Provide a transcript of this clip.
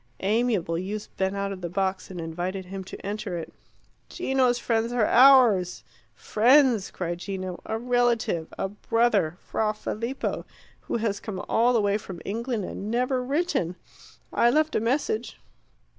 Amiable youths bent out of the box and invited him to enter it. "Gino's friends are ours " "Friends?" cried Gino. "A relative! A brother! Fra Filippo, who has come all the way from England and never written." "I left a message."